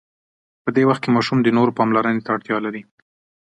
په دې وخت کې ماشوم د نورو پاملرنې ته اړتیا لري.